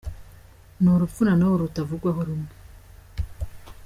Ni urupfu na n’ubu rutavugwaho rumwe.